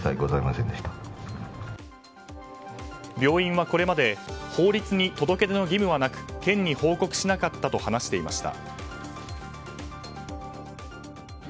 病院はこれまで法律に届け出の義務はなく県に報告しなかったと話していました。